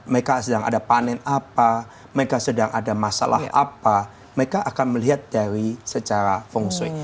mereka sedang ada panen apa mereka sedang ada masalah apa mereka akan melihat dari secara feng shui